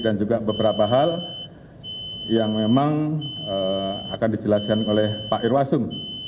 dan juga beberapa hal yang memang akan dijelaskan oleh pak irwasung